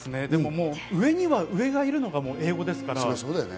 でも上には上がいるのが英語ですから。